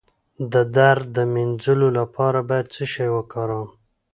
د درد د مینځلو لپاره باید څه شی وکاروم؟